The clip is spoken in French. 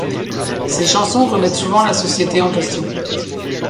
Ses chansons remettent souvent la société en question.